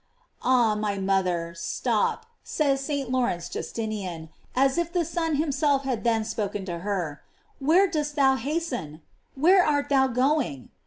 * Ah! my mother, stop, says St. Lawrence Justinian, as if the Son himself had then spoken to her; where dost thou hasten? Where art thou going?